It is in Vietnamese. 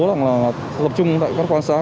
lập trung tại các quan sát